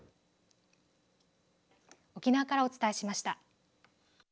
沖縄からお伝えしました。